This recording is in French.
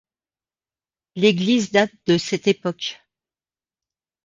L'église date de cette époque.